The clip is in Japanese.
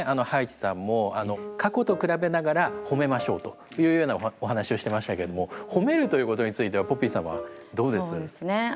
葉一さんも過去と比べながらほめましょうというようなお話をしてましたけどもほめるということについてはポピーさんはどうです？